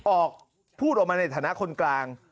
ออกมาพูดออกมาในฐานะคนกลาง